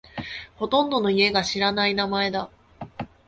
ほとんどの家が知らない名前だ。